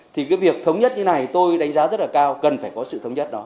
thì cái việc thống nhất như này tôi đánh giá rất là cao cần phải có sự thống nhất đó